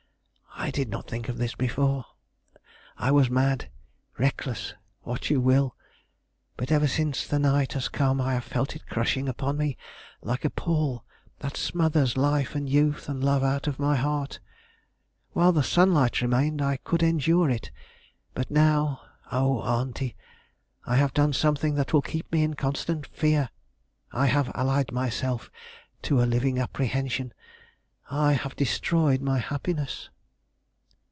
I did not think of this before. I was mad, reckless, what you will. But ever since the night has come, I have felt it crushing upon me like a pall that smothers life and youth and love out of my heart. While the sunlight remained I could endure it; but now oh, Auntie, I have done something that will keep me in constant fear. I have allied myself to a living apprehension. I have destroyed my happiness."